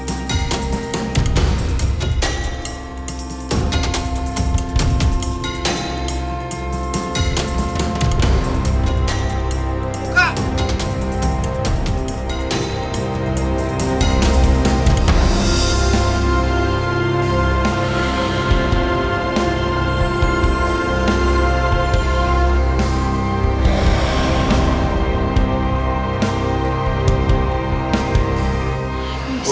intinya kenapa sih